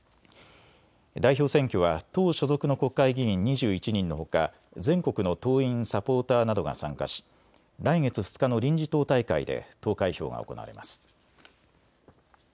代表選挙は党所属の国会議員２１人のほか、全国の党員・サポーターなどが参加し来月２日の臨時党大会で投開票が行われます。